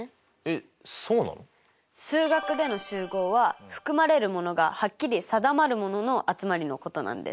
数学での集合は含まれるものがはっきり定まるものの集まりのことなんです。